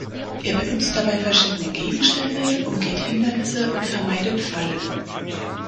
Er benutzt dabei verschiedene Gegenstände, umgeht Hindernisse und vermeidet Fallen.